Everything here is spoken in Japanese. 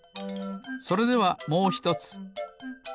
それではもうひとつ。